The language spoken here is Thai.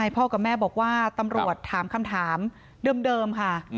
พ่อกับแม่บอกว่าตำรวจถามคำถามเดิมค่ะ